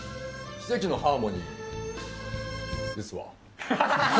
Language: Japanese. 奇跡なハーモニーですわ。